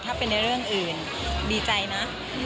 ถ้าเป็นในเรื่องอื่นดีใจนะ